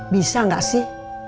bisa gak sih